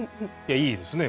いいですね